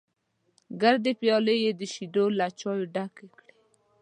ګردې پيالې یې د شیدو له چایو ډکې کړې.